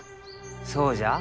そうじゃあ。